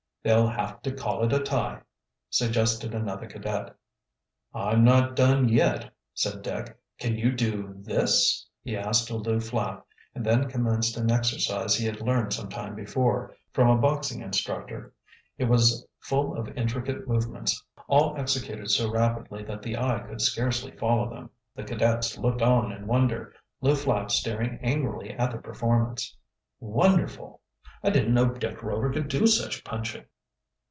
"They'll have to call it a tie," suggested another cadet. "I'm not done yet," said Dick. "Can you do this?" he asked of Lew Flapp, and then commenced an exercise he had learned some time before, from a boxing instructor. It was full of intricate movements, all executed so rapidly that the eye could scarcely follow them. The cadets looked on in wonder, Lew Flapp staring angrily at the performance. "Wonderful!" "I didn't know Dick Rover could do such punching!"